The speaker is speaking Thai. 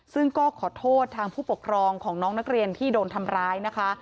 ซึ่งก็ขอโทษทางผู้ปกครองของน้องนักเรียนที่โดนทำร้ายนะคะ